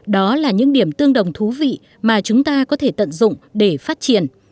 đó là những điểm tương đồng thú vị mà chúng ta có thể tận dụng để phát triển